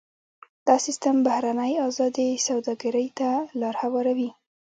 دا سیستم بهرنۍ ازادې سوداګرۍ ته لار هواروي.